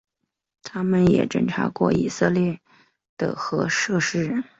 它们也侦察过以色列的核设施。